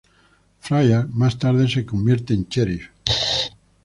Fryer más tarde se convierte en sheriff.